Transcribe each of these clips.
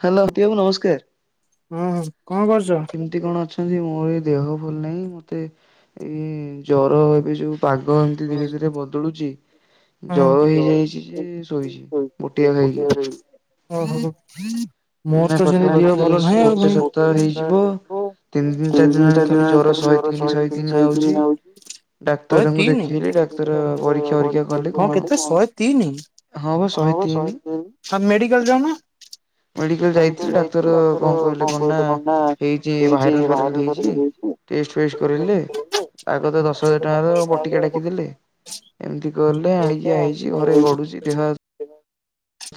Hello, ହାତୀ ଆବୁ ନମସ୍କାର। ହୁଁ କଣ କରୁଛ? ଆଉ କିମ୍ ତି କଣ ଅଛନ୍ତି! ମୋର ଏ ଦେହ ଭଲ ନାହିଁ, ମତେ ଏଇ-ଇ ଜର ଏବେ ଯୋଉ ପାଗ ଏମିତି ଧୀରେ ଧୀରେ ବଦଳୁଚି। ହୁଁ ଜର ହେଇଯାଇଚି ଯେ ଶୋଇଚି, ବଟିଆ ଖାଇକି। ଓହୋ! ମୋର ମାନେ ତ ସେମିତି ଦିହ ପାଖାପାଖି ଭଲ ନାହିଁ, ଆଉ ଗୋଟେ ପୁଣି ସପ୍ତାହ ତିନି ଦିନ୍ ହେଇଯିବ। ଚାରି ତିନି ଦିନ ଚାରି ଦିନ ହେଲାଣି ଦିନ୍ [unintelligible] ଖାଲି ଜର ତିନି ଶହେ ତିନ୍ ତିନି ଶହେ ତିନ୍ ଆଉଛି। ହଉଚି। ଶହେ ଡାକ୍ତରଙ୍କୁ ତିନି! ଦେଖେଇଲି ଡାକ୍ତର ପରୀକ୍ଷା ଫରୀକ୍ଷା କଲେ କଁ, କଣ କେତେ ଶହେ ତିନି? ହଁ ବା ଶହେ ତିନି। ହଁ ମେଡିକାଲ୍ ଯାଉନା! ମେଡିକାଲ୍ ଯାଇଥିଲି, ଡାକ୍ତର କଣ କହିଲେ କଣ ନା? ହେଇଚି ଭାଇରାଲ୍ ଫାଇରାଲ୍ ହେଇଚି। ଟେଷ୍ଟ ଫେଷ୍ଟ କରେଇଲେ। ଆଗ ତ ଦଶହଜାର ଟଆଁ ର ବଟ୍ ଟିକେ ଡାକିଦେଲେ ଏମିତି ଗଲେ ଆଣିକିଆଇଛି ଘରେ ଗଢୁଛି ଦେହ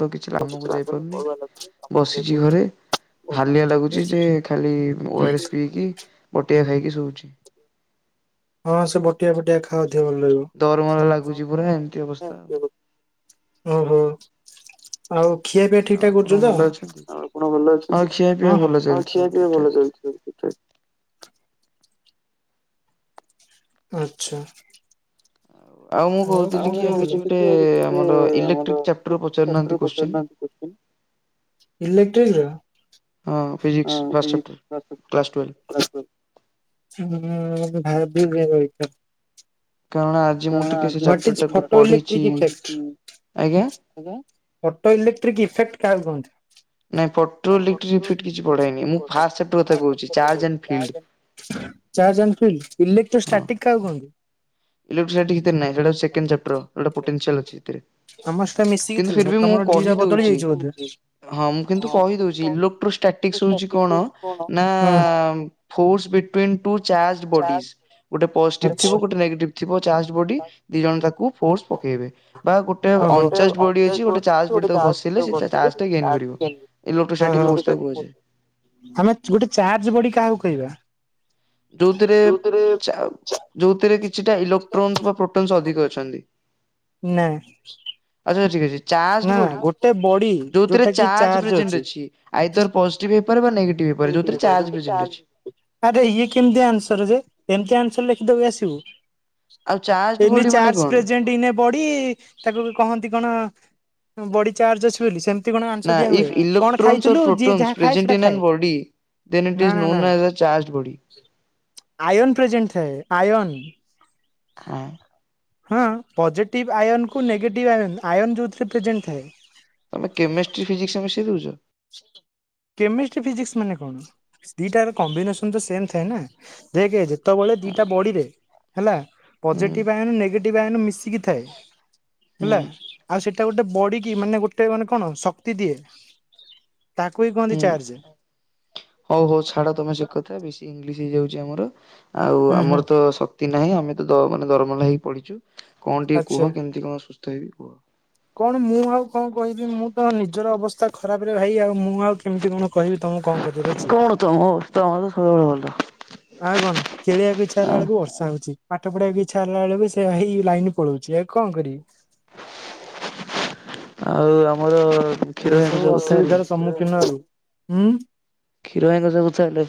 ତ କିଛି କାମକୁ ଯାଇପାରୁନି ବସିଛି ଘରେ ହାଲିଆ ଲାଗୁଚ ଯେ ଖାଲି ଓଆର ଏସ୍ ପିଇକି ବଟିଆ ଖାଇକି ଶୋଉଛି ହଁ ସେ ବଟିଆ ଫଟିଆ ଖାଅ ଦେହ ଭଲ ଲାଗିବ ଦରମର ଲାଗୁଛି ପୁରା ଏମିତି ଅବସ୍ଥା ଆଉ ଓହୋ ଆଉ ଖିଆ ପିଆ ଆଉ ଠିକଠାକ ଆପଣ କରୁଛନ୍ତି ତ ଭଲ ଅଛନ୍ତି? ଆଉଆପଣ ଭଲ ହଁ ଅଛନ୍ତି ଖିଆ ପିଆ ଭଲ ଆଉ ଚାଲିଛି ଖିଆ ସବୁ ଠିକ ପିଇଆ ଠାକ ଭଲ ଚାଲିଛି ଆଛା ଆଉ ମୁଁ କହୁଥିଲି କି ଆଉ କିଛି ଗୋଟେ ଆମାର ଆମର ଇଲେକ୍ଟ୍ରିକ୍ ଚାପ୍ଟର [unintelligible] ପଚାରୁନାହାନ୍ତି କୋଶ୍ଚିନ୍ ନାହାନ୍ତି ଇଲେକ୍ଟ୍ରିକ ହଁ ଫିଜିକ୍ସ ହଁ ଫାଷ୍ଟ ଚାପ୍ଟର ଫିସି୍ କ୍ଲାସ ଟୁଏଲ୍ଭ ହୁଁ ଭ [unintelligible] କାରଣ ଆ ଘଟିଛି ଫୋଟୋ ଇଲେକ୍ଟ୍ରିକ ଫ୍ୟାକ୍ଟ୍ରି ଆଜ୍ଞା [unintelligible] ଅଟୋ ଇଲେକ୍ଟ୍ରିକ ଇଫେକ୍ଟ କାହାକୁ କୁହନ୍ତି ନାଇଁ ପଟ୍ରୋଇଲେ୍ଇଫେକଟେ କିଛି ପଢେନି ମୁଁ ଫାଷ୍ଟ [unintelligible] କଥାକହୁଛି ଚାର୍ଜ ଆନ fit charge and feel electrostatic କାହାକୁ କୁହନ୍ତୁ ଇଁର ଆମର ସହିତ ମିଶିକି ଥିଲା ତମର ିରାା ବଦଳି କହିଦଉଛି ଯାଇଛି ବୋଧେ ହଁ ମୁଁ କିନ୍ତୁ କହିଦଉଛି ଇଲେୋକ୍ଟ୍ରୋଷ୍ଟାଟିକସ ହଉଛି କଣ ନା force between two charge bodies ଗୋଟେ ପଜିଟିଭ୍ ଆଚ୍ଛା ଥିବ ଗୋଟେ ନେଗେଟିଭ ଥିବ ଚାର୍ଜ ବଡି ଦି ଜଣ ତାକୁ ଫୋର୍ସ ପକେଇବେ ବା ଗୋଟେ ଓ ହୋ। ଅଣଚାଶ ବଡି ଅଛି ଗୋଟେ ଚ ବଡି ତାକୁ ଘଷିଲେ ସେ ଚ ଟା ଗେନ୍ କରିବ ଲେକ୍ଟ୍ରୋସାଇଟିକ ଫୋର୍େ ପେ ଆମେ ଗୋଟେ ଚାର୍ଜ ବଡିି କାହାକୁ କହିବା ଯୋଉଥିରେ ଯୋଉଥିରେ କିଛି କିଛିଟା ଇଲେକ୍ଟ୍ରୋନ୍ସ ବା ପ୍ରୋଟୋନ୍ସ ଅଧିକ ଅଛନ୍ତି ହଁ ଆଛା ଠିକ ଅଛି ଚ ବଡି ଯୋଉରେ ଯୋଉଟା କି ଚାର୍ଜ ଅଛି ଅ ଆଇ ତୋର ପଜିଟିଭ ହେଇପାରେ ବା ନଗେଟିଭ୍ଇପାରେ ଯଉଥିରେ ଚ ଅଛି ଆରେ ଇଏ କେମିତି ଆନ୍ସର ଯେ ଏମିତି ଆନ୍ସର ଲେଖିଦବ ଆସିବୁ ଆଉ ଚାର୍ଜ ଏନୀ ବଡି ମାନେ ଚାର୍ଜ କଣ? ପ୍ରେଜେଣ୍ଟ ଇେନେ ବଢ ତାକୁ କହନ୍ତି କଣ ବଡି ଚାର୍ଜ ଅଛି ବୋଲି ସେମତି କଣ ନା ଆଂସ ଦିଆ ହୁଏ ଇଫ୍ କଣ ଇଲେକ୍ଟ୍ରୋନ୍ସ ଅର୍ ଖାଇଥିଲୁ ଯିଏ ପ୍ରୋଟୋନ୍ସ ଯାହା ଖାଏ ପ୍ରେଜେଣ୍ଟ ସେଇଟା ଇନ୍ ଆନ୍ ଖାଏ ବଡି ଦେନ୍ ଇଟ୍ ନା ଇଜ୍ ନା ନା known as a charge body. Ion present ଥାଏ ଆୟନ ଖଏ ହଁ ପଜିଟିଭ୍ ଆୟନକୁ ନେଗେଟିଭ୍ ଆୟନ୍ ଆୟନ୍ ଯେଉଁଥିରେ ପ୍ରେଜେଣ୍ଟ ଥାଏ ତମେ କେମେଷ୍ଟ୍ରି ଫିଜିକ୍ସ ମିଶି ଦଉଛ କେମେଷ୍ଟ୍ରି ଫିଜିକ୍ସ ମାନେ କଣ ଦିଟା କମ୍ବିନେସନ ତ ସେମ ଥାଏ ନା ଦେଖ ଯେତେବେଳେ ଦିଟା ବଡିରେ ହେଲା ହୁଁ ପଜିଟିଭ ଆଇନ ନେଗେଟିଭ ଆଇନ ମିଶିକି ଥାଏ ହୁଁ ହେଲା ଆଉ ସେଇଟା ଗୋଟେ ବଡିକି ମାନେ ଗୋଟେ ମାନେ କଣ ଶକ୍ତି ଦିଏ ତାକୁ ବି କୁହନ୍ତି ହୁଁ। ଚାର୍ଜ ହଉ ହଉ ଛାଡା ତମେ ସେ କଥା ବେଶୀ ଇଂଲିଶ ହେଇଯାଉଛି ଆମର ଆଉ ହୁଁ ହୁଁ ଆମର ତ ଶକ୍ତି ନାହିଁ ଆମେ ତ ମାନେ ଦରମଲା ହେଇକି ପଡିଛୁ କଣ ଟିକେ ଆଚ୍ଛା କୁହ କେମତି କଣ ସୁସ୍ଥ ହେବି କୁହ। କଣ ମୁଁ ଆଉ କଣ କହିବି ମୁଁ ତ ନିଜର ଅବସ୍ ଖରାପରେ ଭାଇ ଆଉ ମୁଁ ଆଉ କେମିତି କଣ କହିବି ତମକୁ କଣ କରିବାର ଅଛି। ତମ ତମ ତ ସଦାବେଳେ ଭଲ। ଆଉ କଣ ଖେଳବାକୁ ଇଚ୍ଛା ଆ ହେଲା ବେଳକୁ ବର୍ଷା ହୋଉଛି ପାଠ ପଢିବାକୁ ଇଚ୍ଛା ହେଲା ବେଳକୁ ସେ ଭାଇ ଲାଇନ ପଳୋଉଚି ଆଉ କଣ କରିବି। ଆଉ ଆମର କ୍ଷୀର ଏ ଭାଇଙ୍କ ସବୁ ସହ କଥା ହେଲେ? ଅସୁବିଧାର ସମ୍ମୁଖୀନ ହେବୁ ଉଁ। କ୍ଷୀର ଭାଇଙ୍କ ସହ କଥାହେଲେ?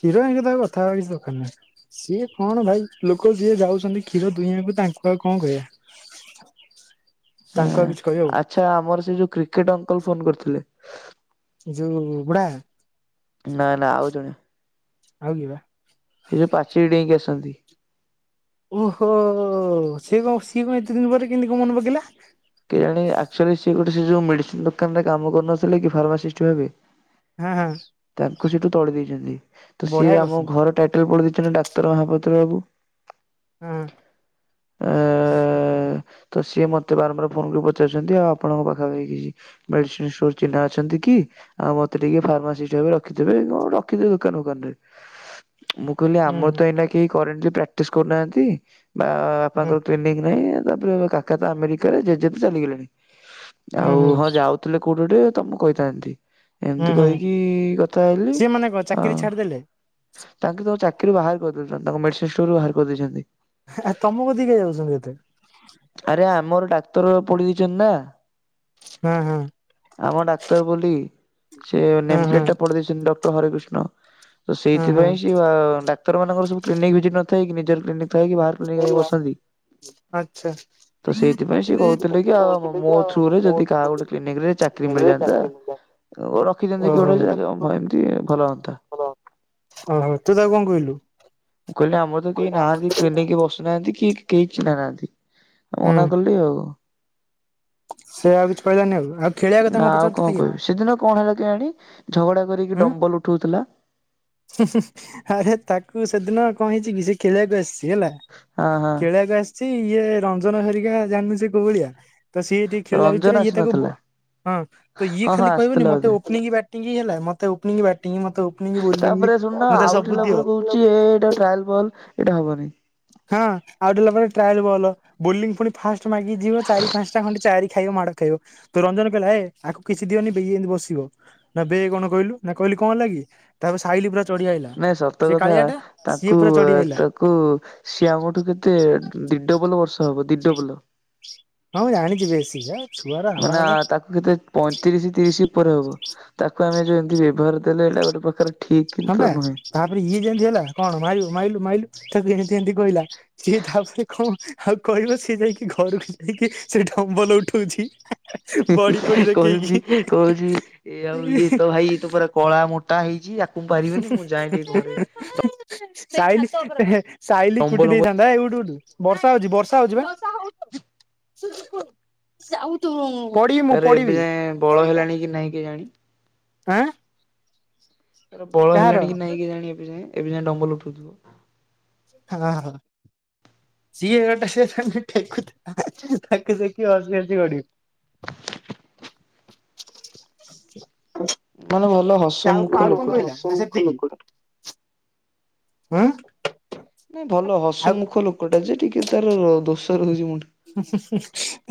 କ୍ଷୀର ଭାଇଙ୍କ ତାଉ କଥା ହବା କିଛି ଦରକାର ନାଇ। ସିଏ କଣ ଭାଇ ଲୋକ ଯିଏ ଯାଉଛନ୍ତି କ୍ଷୀର ଦୁହିଁବାକୁ ତାଙ୍କୁ ଆଉ କଣ କହିବା। ତାଙ୍କୁ ଆଉ କିଛି କହିହବ। ଆଚ୍ଛା ଆମର ସେଇ ଯୋଉ କ୍ରିକେଟ୍ ଅଙ୍କଲ ଫୋନ କରିଥିଲେ। ଯୋଉ ବୁଢା ନା ନା ଆଉ ଜଣେ ଆଉ କିଏ ବା? ଏଇ ଯୋଉ ପାଚେରି ଡେଇଁକି ଆସନ୍ତି। ଓହୋ ସିଏ କଣ ସିଏ କଣ ଏତେ ଦିନ ପରେ କେମତି କଣ ମନେ ପକେଇଲା। କେଜାଣି ଆକଚୁଆଲି ସିଏ ଗୋଟେ ସେ ଯୋଉ ମେଡିସିନ ଦୋକାନରେ କାମ କରୁନଥିଲେ କି ଫାର୍ମାସିଷ୍ଟ ଭାବେ ହଁ ହଁ ତାଙ୍କୁ ସେଠୁ ତଡି ଦେଇଚନ୍ତି ତ ବଢିଆ ସିଏ ଆମ କରୁଛନ୍ତି ଘର ଟାଇଟେଲ ପଢି ଦେଇଚନ୍ତି ଡାକ୍ତର ମହାପାତ୍ର ବାବୁ ହଁ। ଅ ତ ସିଏ ମତେ ବାରମ୍ବାର ଆପଣଙ୍କୁ ପଚାରୁଚନ୍ତି ଆଉ ଆପଣଙ୍କ ପାଖାପାଖୀ କିଛି ମେଡ଼ିସିନ ଷ୍ଟୋର ଚିହ୍ନା ଅଛନ୍ତି କି ଆଉ ମତେ ଟିକେ ଫାର୍ମାସିଷ୍ଟ ଭାବେ ରଖିଦେବେ କଣ ରଖିଦେବେ ଦୋକାନ ଫୋକାନରେ ମୁଁ କହିଲେ ଆମର ହୁଁ ତ ଏଇନା କେହି କରେଣ୍ଟଲି ପ୍ରାକ୍ଟିସ କରୁନାହାନ୍ତି। ବା ହୁଁ ବାପାଙ୍କର ଟ୍ରେନିଂ ନାହିଁ ତାପରେ କାକା ତ ଆମେରିକାରେ ଜେଜେ ତ ଚାଲିଗଲେଣି। ହୁଁ ହୁଁ ଆଉ ହୁଁ ହଁ ଯାଉଥିଲେ କୋଉଠି ଗୋଟେ ତ ମୁଁ କହିଥାନ୍ତି। ହୁଁ ଏମତି ହୁଁ କହିକି କଥା ହେଲିି ସିଏ ମାନେ କଣ ଆ ଚାକିରି ଛାଡିଦେଲେ ତାଙ୍କେ ତାଙ୍କୁ ଚାକିରୁ ବାହାର କରିଦେଇଚନ୍ତି ତାଙ୍କ ମେଡିସିନ ଷ୍ଟୋରରୁ ବାହାର କରିଦେଇଛନ୍ତି। ଆ ତମ କତିକି କାଇଁ ଯାଉଚନ୍ତି ଏତେ? ଆରେ ଆମର ଡାକ୍ତର ପଡି ଦେଇଚନ୍ତି ନା ହଁ ହଁ। ଆମର ଡାକ୍ତର ବୋଲି ସେ ହଁ ହଁ ନେମପ୍ଲେଟଟା ପଢିଦେଇଚନ୍ତି ଡକ୍ଟର ହରେକୃଷ୍ଣ। ତ ହଁ ହଁ ସେଇଥିପାଇଁ ସେ ଡାକ୍ତର ମାନଙ୍କର ସବୁ କ୍ଲିନିକ ଭିଜିଟ ନ ଥାଏ କି ନିଜର କ୍ଲିନିକ୍ ଆଚ୍ଛା। ତ ସେଇଥିପାଇଁ ସିଏ କୋହୁଥିଲେ କି ଆଉ ମୋ ଥ୍ରୁରେ ଯଦି କାହା ଗୋଟେ କ୍ଲିନିକରେ ଚାକିରି ମିଳିଯାଆନ୍ତା ଅ ରଖିଦିଅନ୍ତି କିଏ ଓହୋ ଗୋଟେ ଯେ ହଁ ଏମତି ଭଲ ହୁଅନ୍ତା। ଓହୋ ତୁ ତାକୁ କଣ କହିଲୁ? ମୁଁ କହିଲି ଆମର ତ କେହି ନାହାନ୍ତି କ୍ଲିନିକ ବସୁନାହାନ୍ତି କି କେହି ଚିହ୍ନା ନାହାନ୍ତି। ହୁଁ ମନା କଲି ଆଉ ସେ ଆଉ କିଛି କହିଲାନି ଆଉ ଆଉ ଖେଳିବା କଥା ନା କଣ ପଚାରୁଥୁଲା କି ଆଉ? କହିବି ସେଦିନ କଣ ହେଲା କେୟାଣି ଝଗଡା କରିକି ଡମ୍ବଲ ଉଠୋଉଥୁଲା। ହୁଁ ହୁଁ ଆରେ ତାକୁ ସେଦିନ କଣ ହେଇଚି କି ସେ ଖେଳିବାକୁ ଆସଚି ହେଲା ହଁ ହଁ ଖେଳବାକୁ ଆସଚି ଇଏ ରଞ୍ଜନ ହରିକା ଜାଣନୁ ସିଏ କୋଉ ଭଳିଆ। ତ ସିଏ ଟିକେ ଖେଳିଲା ରଞ୍ଜନ ଭିତରେ ଇଏ ତାକୁ ଆସିନଥିଲା ବ ହଁ ତ ଇଏ ହଁ ହଁ ଖାଲି କହିବନି ଆସିଥିଲା ମତେ ବୋଧେ ଓପନିଙ୍ଗ ବ୍ୟାଟିଂ ହେଲା ମତେ ଓପିନିଙ୍ଗ ବ୍ୟାଟିଂ ମତେ ଓପନିଙ୍ଗ ବୋଲିଂ ତାପରେ ଶୁଣନା ମତେ ଆଉଟ୍ ସବୁ ହେଲା ପରେ କହୁଛି ଏ ଦିଅ ଏଇଟା ଟ୍ରାଏଲ ବଲ୍ ଏଇଟା ହବନି। ହଁ ଆଉଟ୍ ହେଲା ପରେ ଟ୍ରାଏଲ୍ ବଲ୍। ବୋଲିଂ ପୁଣି ଫାଷ୍ଟ ମାଗିକି ଯିବ ଚାରି ପାଞ୍ଚଟା ଖଣ୍ଡେ ଚାରି ଖାଇବ ମାଡ଼ ଖାଇବ। ତ ରଞ୍ଜନ କହିଲା ଏ ଆକୁ କିଛି ଦିଅନି ବ ଏମିତି ବସିବ। ନା ବେ କଣ କହିଲୁ ନା କହିଲି କଣ ହେଲାକି କି ତାପରେ ସାହିଲ୍ ପୁରା ଚଢି ଆଇଲା ନାଇଁ ସତ ସେ କଥା କାଳିଆ ଟା ସିଏ ତାଙ୍କୁ ପୁରା ଚଢି ଆଇଲା ଏତେ କୁ ସିଏ ଆମଠୁ କେତେ ଦିଡବଲ ବର୍ଷା ହବ ଦିଡବଲ ହଁ ମୁଁ ଜାଣିଛି ବେଶି ହେ ମାନେ ଆ ତାକୁ କେତେ ପଇଁତିରିଶ ତିରିଶ ଉପରେ ହବ। ତାକୁ ଆମେ ଯୋଉ ଏମତି ବ୍ୟବହାର ଦେଲେ ଏଇଟା ଗୋଟେ ପ୍ରକାର ଠିକ ହଁ କିନ୍ତୁ ବା ନୁହେଁ। ତାପରେ ଇଏ ଯେମିତି ହେଲା କଣ ମାରିବୁ ମାଇଲୁ ମାଇିଲୁ କୁ ଏମିତି ଏମିତି କହିଲା। ସିଏ ତାପରେ କଣ ଆଉ କହିବ ସିଏ ଯାଇକି ଘରକୁ ଯାଇକି ସେ ଡମ୍ବଲ ଉଠଉଛି [unintelligible] ହୁଁ, ବଡି ଫଡି ହୁଁ ଦେଖେଇକି କହୁଛି କହୁଛି ଏ ଆଉ ଇଏ ତ ଭାଇ ତ ପରା କଳା ମୋଟା ହେଇଛିି ଯା ହୁଁ, ହୁଁ [unintelligible] ସାଇଲି ହେ ହେ ସାଇଲି ଲମ୍ବ କୁଟି ଲମ୍ବ ଦେଇଥାନ୍ତା ହେ ଉଠ ଉଠ [unintelligible] ବର୍ଷା ହଉଛି ବର୍ଷା ହଉଛି ବେ ସାଉତୁ ମୁଁ ପଡ଼ିବି ମୁଁ ତାର ଏବେ ପଡ଼ିବି ଯାଏଁ ବଳ ପଡ଼ିଯା ହେଲାଣି କି ନାହିଁ କେଜାଣି। ହା ଏ ବଳ ହେଲାଣି କି ନାଇଁ କି ଜାଣି ଏବେ ଯାଏ ଏବେ ଯାଏଁ ଡମ୍ବଲ ଉଠଉଠିବ। ହଁ, ହଁ। ସିଏ ଗୋଟେ ତାକୁ ଟେକୁ ଥିଲା ତାକୁ ଦେଖି ହସି ଆସି ଗଡିିବୁ [unintelligible] ମାନେ ଭଲ ହ ସେ ଆଉ କାହାକୁ କଣ କହିଲା? ନା ସେତିକି। ହୁ। ନାଇ ଭଲ ହସମୁଖ ଲୋକଟା ଯେ ଟିକେ ତାର ଦୋଷ ରହୁଛି ମୁଣ୍ଡ ହୁଁ, ହୁଁ,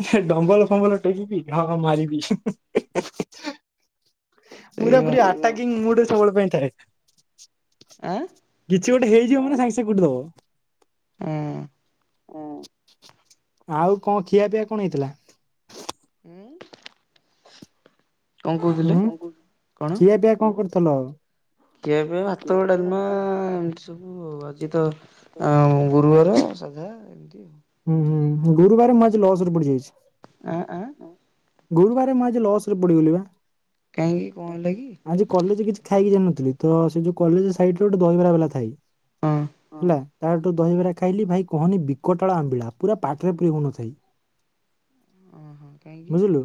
ହୁଁ ଡମ୍ବଲ ଫମ୍ବଲ ଟେକିବି ଢାବା ମାରିବି। ପୁରା ସେଇବା ପୁରି ଆଟାକିଙ୍ଗ ମୁଡରେ ସବୁବେଳ ପାଇଁ ଥାଏ। ଆଁ। କିଛି ଗୋଟେ ହେଇଯିବ ମାନ ସାଙ୍ଗେ ସାଙ୍ଗେ କୁଟି ଦବ। ଉଁ। ହଁ। ଆଉ କଣ ଖିଆପିଆ କଣ ହେଇଥିଲା? ଉଁ। ହୁଁ ଖିଆ ପିଆ କଣ କରୁଥିଲ ଆଉ? ଖିଆପିଆ ଭାତ, ଡାଲମା ଏମତି ସବୁ ଆଜି ତ ଆଉ ଗୁରୁବାର ସାଧା ଏମତି ଆଉ। ହୁଁ, ହୁଁ ଗୁରୁବାର ମୁଁ ଆଜି ଲସ୍ ରେ ପଡି ଯାଇଛି। ଆଁ ଆଁ। ଗୁରୁବାର ମୁ ଆଜି ଲସ୍ ରେ ପଡିଗଲି ବା କାହିଁକି କଣ ହେଲା କି? ଆଜି କଲେଜେ କିଛି ଖାଇକି ଜାଇିନଥିଲି ତ ସେ ଯୋଉ କଲେଜ ସାଇଡ ରେ ଗୋଟେ ଦହିବରା ବାଲା ଥାଇ ହଁ। ହେଲା ତାଠୁ ଦହିବରା ଖାଇଲି ଭାଇ କହନି ବିକଟ କଟଳ ଆମ୍ବିଳା ପୁରା ପାଟିରେ ପୁରି ହଉନଥାଇ। ହଁ ହଁ କାହିଁକି? ବୁଝିଲୁ।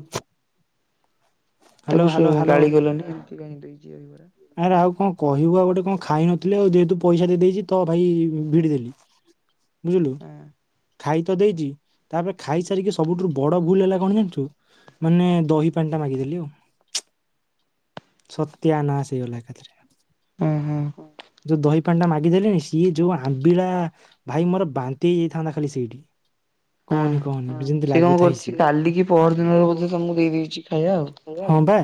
ହାଲୋ ତାକୁ ସୋ ହାଲୋ ହାଲୋ ଗାଳି କଲନି ଏମିତି କାହିଁ ଦେଇଛି ଦହି ବରା। ଆରେ ଆଉ କଣ କହିବୁ ଆଉ ଗୋଟେ କଣ ଖାଇ ନଥିଲେ ଆଉ ଯେହେତୁ ପଇସା ଦେଇଦେଇଛି ତ ଭାଇ ଭିଡି ଦେଲି। [unintelligible] ବୁଝିଲୁ ଖାଇ ତ ଦେଇଚି ତାପରେ ଖାଇ ସାରିକି ସବୁଠୁରୁ ବଡ ଭୁଲ ହେଲା କଣ ଜାଣିଛୁ ମାନେ ଦହି ପାଣି ଟା ମାଗିଦେଲି ଚୁ ସତ୍ୟାନାଶ। ହେଇଗଲା ଏକା ଥେରକା। ଅଁ ହଁ। ଯୋଉ ଦହି ପାଣି ଟା ମାଗିଦେଲେଣି ସିଏ ଯୋଉ ଆମ୍ବିଳାା ଭାଇ ମୋର ବାନ୍ତି ହେଇଯାଇଥାନ୍ତା ଖାଲି ସେଇଠି। ହଁ କହନି କହନି ଯେମିତି ସେ କଣ ଲାଗୁଥାଇ କରୁଚି ସିଏ। କାଲି କି ପହର ଦିନରେ ବୋଧେ ତମକୁ ଦେଇ ଦେଇଚି ଖାଇବା ଆଉ। ହଁ ବା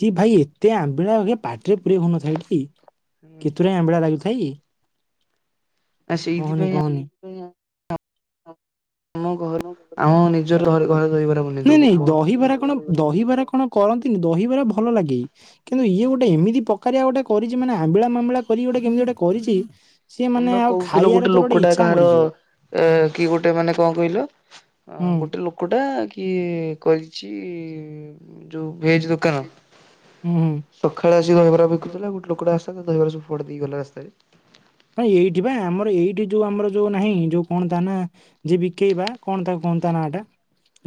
ସିଏ ଭାଇ ଏତେ ଆମ୍ବିଳା ଏ ପାଟିରେ ପୁରେଇ ହଉନଥାଏ ଟି କେତେ ରୁଏ ଆମ୍ବିଳା ଲାଗୁଥାଇ ଆ କହନି ସେଇଥିପାଇଁ କହନି। ଅ ଆମ ଘର ଆମ ନିଜର ଘରେ ଘରେ ଦହିବରା ବନେଇ ନାଇଁ ଦବୁ ନାଇଁ ବ ଦହିବାର କଣ ଦହିବାର କଣ କରନ୍ତିନି ଦହିବାର ଭଲ ଲାଗେ। କିନ୍ତୁ ଇଏ ଗୋଟେ ଏମିତି ପ୍ରକାରିଆ ଗୋଟେ କରିଚି ମାନେ ଆମ୍ବିଳା ମାମ୍ବିଳା କରି କି ଗୋଟେ କେମିତି ଗୋଟେ କରିଛି ସିଏ ମାନେ ତମେ ଆଉ ଆଉ କହୁଥିଲ ଖାଇବାର ଗୋଟେ ତୋର କୋଉଠି ଲୋକଟା ଇଚ୍ଛା କାହାର ମରିଯିବ। କୁକୁଡ଼ା ଏ କି ଗୋଟେ ମାନେ କଣ କହିଲ ହୁଁ ଗୋଟେ ଲୋକ ଟେ କିଏ କରିଛି ଯୋଉ ଭେଜ୍‌ ଦୋକାନ। ହୁଁ ହୁଁ ସଖାଳେ ଆସିି ଦହିବରା ବିକୁଥିଲା ଗୋଟେ ଲୋକ ଟା ଆସିଲା ତା ଦହିବରା ସବୁ ଫୋପାଡି ଦେଇ ଗଲା ରାସ୍ତାରେ। ଆଁ ଏଇଠି ପା ଆମର ଏଇଠି ଯୋଉ ଆମର ଯୋଉ ନାହିଁ ଯୋଉ କଣ ତା ନା ଯିଏ ବିକେଇ ବା କଣ ତା କଅଣ ତା ନା ଟା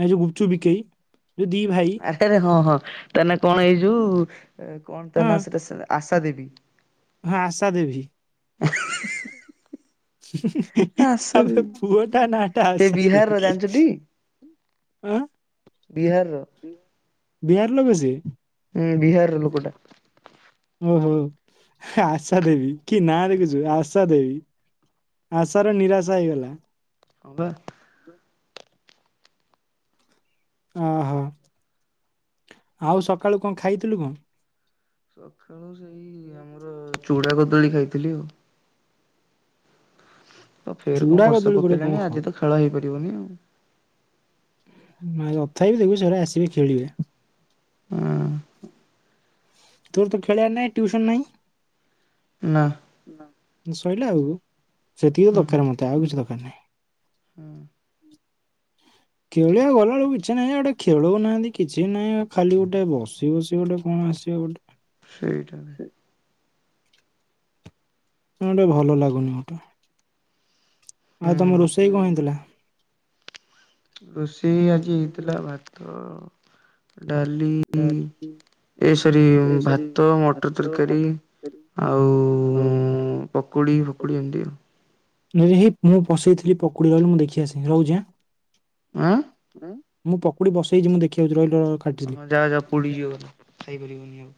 ଏ ଯୋଉ ଗୁପ୍ ଚୁପ୍ ବିକେଇ ଯୋ ଦି ଭାଇ। ଆରଟାରେ ହଁ ହଁ ତା ନା କଣ ଏଇ ଯୋଉ କଣ ତା ହଁ ନା ସେଟା ଆଶା ଦେବି। ହଁ ଆଶା ଦେବୀ। ଆଶା ଆବେ ଦେବୀ ପୁଅଟା ନା ଏଟା ସେ ଆଶା ବିହାରର ଦେବି। ଜାଣିଛୁଟି ଆଁ ବିହାରର। ବିହାର ଲୋକ ସେ। ହୁଁ ବିହାରର ଲୋକଟା। ଓହୋ ଆଶା ଦେବୀ କି ନାଁ ହୁଁ ଦେଖୁଛୁ ଆଶା ଦେବୀ। ଆଶାର ନିରାଶା ହେଇଗଲା। ହଁ ବା। ଅ ହ ଆଉ ସଖାଳୁ କଣ ଖାଇଥିଲୁ କଣ? ସଖାଳୁ ସେଇ ଆମର ଚୂଡ଼ା କଦଳୀ ଖାଇଥିଲି ଆଉ। ତ ଫେର କଣ ଚୁଡା ବର୍ଷା କଦଳୀ ଗୋଟେ କଣ ପକେଇଲାଣି ଖାଉ ଆଜି ତ ଖେଳ ହେଇପାରିବନି ଆଉ। ନା ତଥାପି ଦେଖିବୁ ସେରା ଆସିବେ ଖେଳିବେ। ହଁ ତୋର ତୋ ଖେଳିବାର ନାହି ଟ୍ୟୁସନ ନାହିଁ। ନା। ସଇଲା ଆଉ ସେତିକି ତ ଦରକାର ମତେ ଆଉ କିଛି ଦରକାର ନାହିଁ। ହଁ। ଖେଳିଆକୁ ଗଲାବେଳକୁ କିଛି ନାହିଁ ଯେ ଗୋଟେ ଖେଳଉନାହାନ୍ତି କିଛି ନାହିଁ ଖାଲି ଗୋଟେ ବସି ବସି ଗୋଟେ କଣ ଆସିବ ଗୋଟେ। ସେଇଠାରେ। କଣ ଗୋଟେ ଭଲ ଲାଗୁନି ମତେ। ଆଉ ତୋମ ରୋଷେଇ କଣ ହେଇଥିଲା? ରୋଷେଇ ଆଜି ହେଇଥିଲା ଭାତ, ଡାଲି ଏ ସରି ଭାତ, ମଟର ତରକାରୀ ଆଉ ଉ, ପକୁଡ଼ି ଫକୁଡ଼ି ଏମିତି ଆଉ। ମୁଁ ହେଇ ମୁଁ ବସେଇଥିଲି ପକୁଡି ରହିଲୁ ମୁଁ ଦେଖି ଆସେ ରହୁଛି ଆଁ। ଆଁ, ମୁଁ ପକୁଡି ବସେଇଛି ମୁଁ ଦେଖିଆଉଛି ରହିଲୁ ରଖ। ଓ ହଁ ଯାଅ ଯାଅ ପୋଡିଯିବ ଖାଇପାରିବନି ଆଉ।